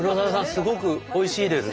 すごくおいしいです。